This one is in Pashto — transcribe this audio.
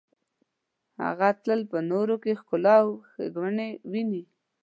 هغه تل په نورو کې ښکلا او ښیګڼې ویني.